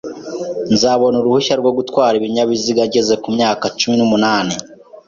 Nzabona uruhushya rwo gutwara ibinyabiziga ngeze ku myaka cumi n'umunani.